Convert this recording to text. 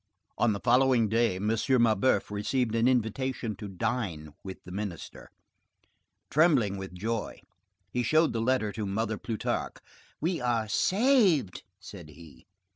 On the following day, M. Mabeuf received an invitation to dine with the Minister. Trembling with joy, he showed the letter to Mother Plutarque. "We are saved!" said he.